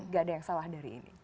gak ada yang salah dari ini